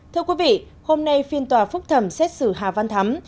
thưa quý vị hôm nay phiên tòa phúc thẩm xét xử hà văn thắm